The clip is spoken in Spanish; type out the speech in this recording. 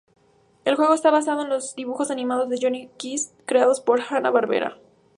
El juego está basado en los dibujos animados de Jonny Quest creados por Hanna-Barbera.